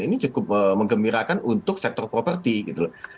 ini cukup mengembirakan untuk sektor properti gitu loh